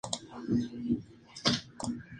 A pesar de eso, el libro fue un bestseller.